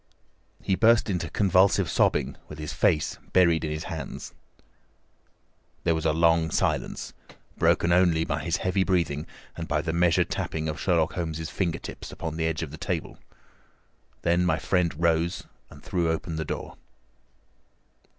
He burst into convulsive sobbing, with his face buried in his hands. There was a long silence, broken only by his heavy breathing and by the measured tapping of Sherlock Holmes' finger tips upon the edge of the table. Then my friend rose and threw open the door.